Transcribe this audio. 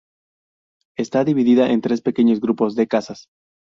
Está dividida en tres pequeños grupos de casas.